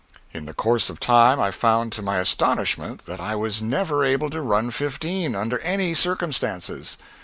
In the course of time I found to my astonishment that I was never able to run fifteen, under any circumstances.